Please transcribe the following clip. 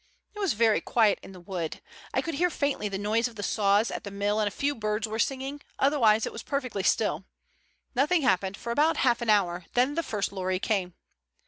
"It was very quiet in the wood. I could hear faintly the noise of the saws at the mill and a few birds were singing, otherwise it was perfectly still. Nothing happened for about half an hour, then the first lorry came.